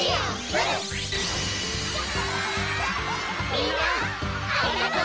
みんなありがとう！